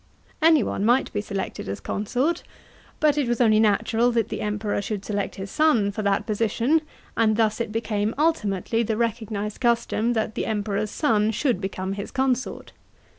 Anyone might be selected as consort. But it was only natural that the Emperor should select his son for that position, and thus it became ultimately the recognised custom that the Emperor's son should become his consort.